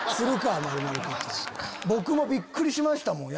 僕もびっくりしましたもん